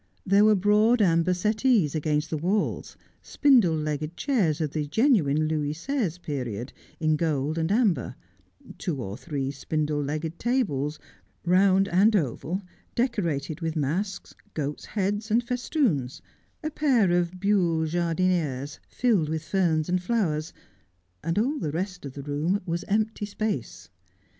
There were broad amber settees against the walls, spindle legged chairs of the genuine Louis Seize period, in gold and amber, two or three spindle legged tables, round and oval, decorated with masks, goats' heads and festoons, a pair of buhl jardinieres filled with ferns and flowers, and all the rest of the room was empty space.